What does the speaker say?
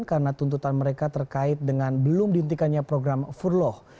karena tuntutan mereka terkait dengan belum dihentikannya program furloh